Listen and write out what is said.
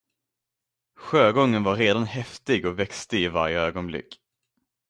Sjögången var redan häftig och växte i varje ögonblick.